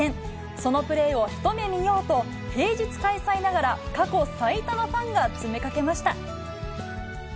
そのプレーを一目見ようと、平日開催ながら、過去最多のファンが詰めかけました。